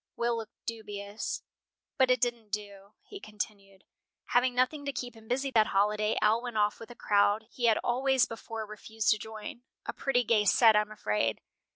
Will looked dubious. "But it didn't do," he continued. "Having nothing to keep him busy that holiday, Al went off with a crowd he had always before refused to join a pretty gay set, I am afraid.